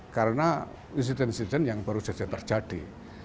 karena insiden insiden yang baru saja terjadi